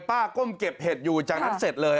ก้มเก็บเห็ดอยู่จากนั้นเสร็จเลย